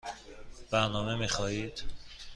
برنامه می خواهید؟